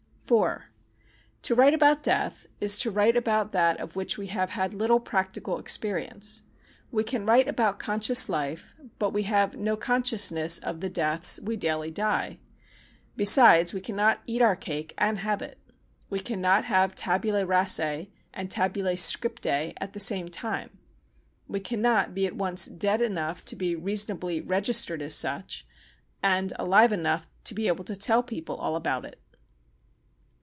iv To write about death is to write about that of which we have had little practical experience. We can write about conscious life, but we have no consciousness of the deaths we daily die. Besides, we cannot eat our cake and have it. We cannot have tabulæ rasæ and tabulæ scriptæ at the same time. We cannot be at once dead enough to be reasonably registered as such, and alive enough to be able to tell people all about it.